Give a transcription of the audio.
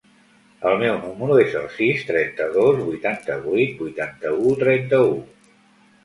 El meu número es el sis, trenta-dos, vuitanta-vuit, vuitanta-u, trenta-u.